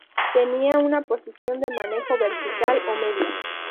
Tenía una posición de manejo vertical o media.